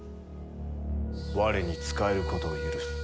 我に仕えることを許す。